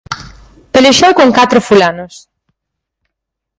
Pelexou con catro fulanos.